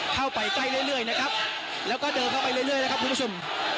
เข้าไปใกล้เรื่อยนะครับแล้วก็เดินเข้าไปเรื่อยนะครับคุณผู้ชม